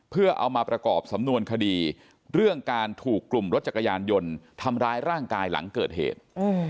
เพื่อเอามาประกอบสำนวนคดีเรื่องการถูกกลุ่มรถจักรยานยนต์ทำร้ายร่างกายหลังเกิดเหตุ